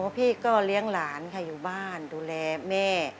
พี่ก็เลี้ยงหลานค่ะอยู่บ้านดูแลแม่